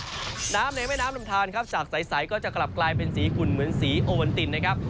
น้ำในแม่น้ำลำทานครับจากใสก็จะกลับกลายเป็นสีขุ่นเหมือนสีโอวันตินนะครับ